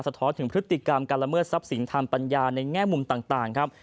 ท้อนถึงพฤติกรรมการละเมิดทรัพย์สินทางปัญญาในแง่มุมต่างครับ